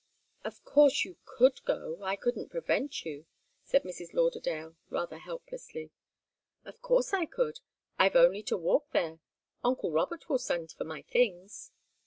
"Of course you could go I couldn't prevent you," said Mrs. Lauderdale, rather helplessly. "Of course I could. I've only to walk there. Uncle Robert will send for my things."